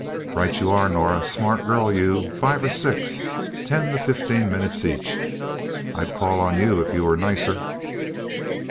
"Right you are, Norah. Smart girl, you. Five or six. Ten to fifteen minutes each. I'd call on you if you were nicer."